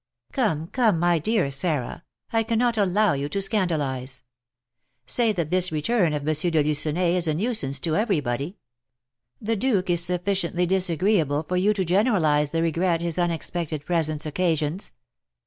"Come, come, my dear Sarah, I cannot allow you to scandalise; say that this return of M. de Lucenay is a nuisance to everybody; the duke is sufficiently disagreeable for you to generalise the regret his unexpected presence occasions."